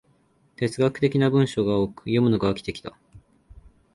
哲学的な文章が多く、読むのが飽きてきた